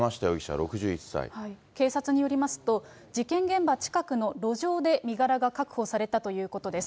警察によりますと、事件現場近くの路上で身柄が確保されたということです。